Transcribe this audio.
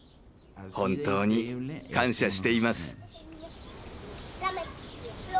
本当に感謝しています。